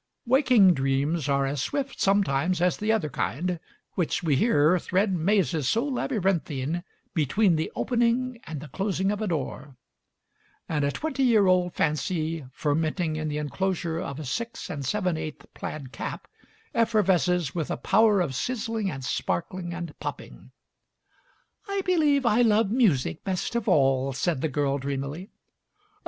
Waking dreams are as swift, sometimes, as the other kind — which, we hear, thread mazes so laby rinthine "between the opening and the closing of a door"; and a twenty year old fancy, fermenting in the inclosure of a six and seven eighth plaid cap, effervesces with a power of sizzling and sparkling and popping. "I believe I love music best of all," said the girl dreamily.